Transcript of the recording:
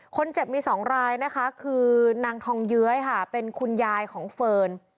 คนเจ็บมี๒รายนะคะคือนางทองเย้ยค่ะเป็นคุณยายของเฟิร์น